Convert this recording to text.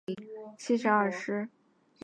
前身为陆军步兵第一二七师